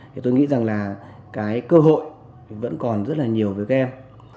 thì tôi nghĩ rằng là cái cơ hội vẫn còn rất là nhiều với các em